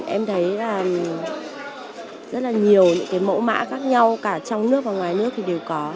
em thấy là rất là nhiều những cái mẫu mã khác nhau cả trong nước và ngoài nước thì đều có